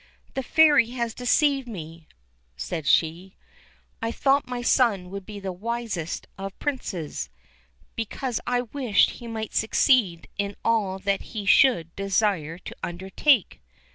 "The Fairy has deceived me," said she; "I thought that my son would be the wisest of Princes, because I wished he might succeed in all that he should desire to undertake."